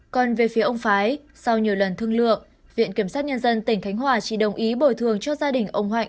còn về phía ông phái sau nhiều lần thương lượng viện kiểm sát nhân dân tỉnh khánh hòa chỉ đồng ý bồi thường cho gia đình ông hạnh